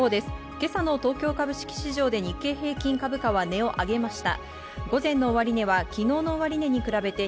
今朝の東京株式市場で日経平均株価は値を上げました。